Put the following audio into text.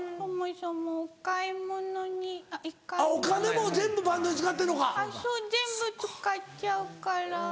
そう全部使っちゃうから。